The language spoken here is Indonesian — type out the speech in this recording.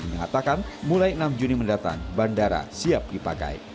mengatakan mulai enam juni mendatang bandara siap dipakai